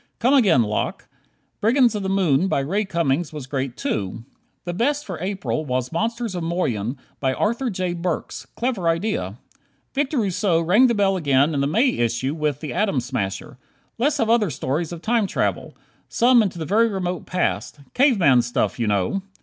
Come again, Locke! "Brigands of the Moon," by Ray Cummings was great too. The best for April was "Monsters of Moyen," by Arthur J. Burks. Clever idea. Victor Rousseau rang the bell again in the May issue with "The Atom Smasher." Let's have other stories of time travel some into the very remote past. Cave man stuff, you know!